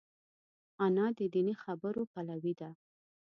انا د دیني خبرو پلوي ده